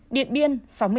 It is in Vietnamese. điện biên sáu mươi sáu